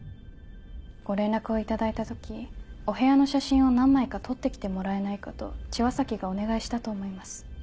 ご連絡を頂いた時お部屋の写真を何枚か撮って来てもらえないかと千和崎がお願いしたと思います。